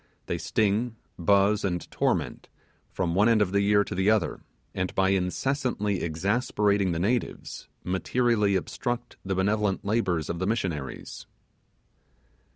They sting, buzz, and torment, from one end of the year to the other, and by incessantly exasperating the natives materially obstruct the benevolent labours of the missionaries.